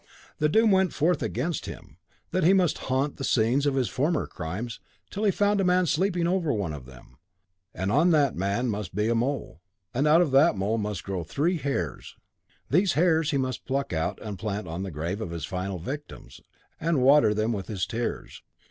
The doom went forth against him that he must haunt the scenes of his former crimes, till he found a man sleeping over one of them, and on that man must be a mole, and out of that mole must grow three hairs. These hairs he must pluck out and plant on the grave of his final victims, and water them with his tears.